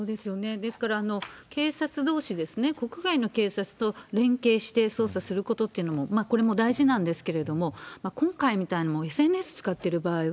ですから、警察どうし、国外の警察と連携して捜査することということもこれも大事なんですけれども、今回みたいなＳＮＳを使ってる場合は、